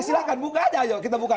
silahkan buka aja ayo kita buka